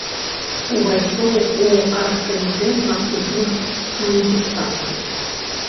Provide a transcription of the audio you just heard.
Увайшоў у аргкамітэт наступных маніфестацый.